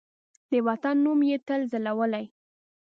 د وطن نوم یې تل ځلولی